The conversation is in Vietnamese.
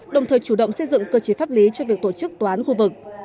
đồng thời chủ động xây dựng cơ chế pháp lý cho việc tổ chức tòa án khu vực